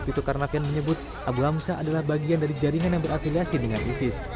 tito karnavian menyebut abu hamzah adalah bagian dari jaringan yang berafiliasi dengan isis